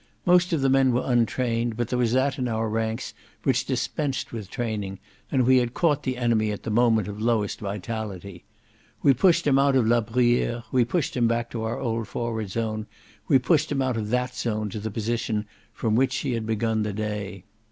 Most of the men were untrained, but there was that in our ranks which dispensed with training, and we had caught the enemy at the moment of lowest vitality. We pushed him out of La Bruyere, we pushed him back to our old forward zone, we pushed him out of that zone to the position from which he had begun the day.